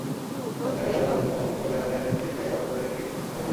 জাতিসংঘের সাবেক নন্দিত মহাসচিব কফি আনানের নেতৃত্বে গঠন করলেন একটি কমিশন।